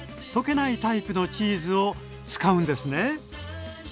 溶けないタイプのチーズを使うんですね？